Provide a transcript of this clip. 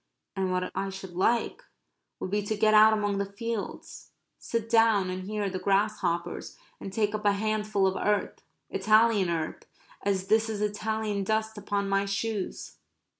And what I should like would be to get out among the fields, sit down and hear the grasshoppers, and take up a handful of earth Italian earth, as this is Italian dust upon my shoes.